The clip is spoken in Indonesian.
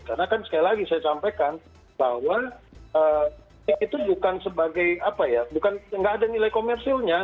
karena kan sekali lagi saya sampaikan bahwa itu bukan sebagai apa ya bukan nggak ada nilai komersilnya